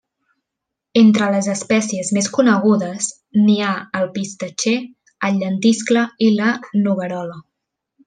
Entre les espècies més conegudes n'hi ha el pistatxer, el llentiscle i la noguerola.